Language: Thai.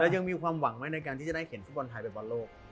ยังมีความหวังไหมในการที่จะได้เข็นฟุตบอลไทยไปบอลโลก